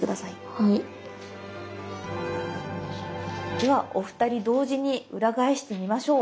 ではお二人同時に裏返してみましょう。